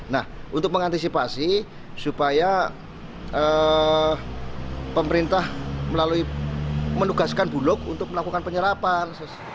nah untuk mengantisipasi supaya pemerintah melalui menugaskan bulog untuk melakukan penyerapan